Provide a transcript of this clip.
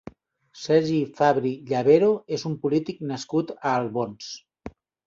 Sergi Fabri Llavero és un polític nascut a Albons.